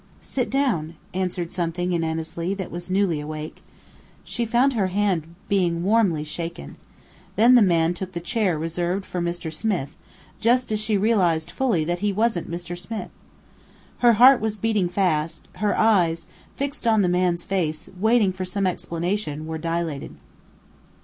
"Sit down," answered something in Annesley that was newly awake. She found her hand being warmly shaken. Then the man took the chair reserved for Mr. Smith, just as she realized fully that he wasn't Mr. Smith. Her heart was beating fast, her eyes fixed on the man's face, waiting for some explanation were dilated.